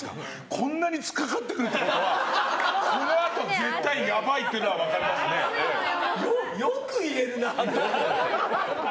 こんなに突っかかってくるってことはこのあと絶対やばいっていうのはよく言えるなと思って。